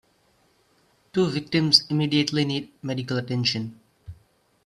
Two victims immediately need medical attention.